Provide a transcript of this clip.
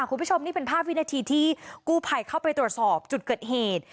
คุณผู้ชมนี่เป็นภาพวินาทีที่กู้ภัยเข้าไปตรวจสอบจุดเกิดเหตุ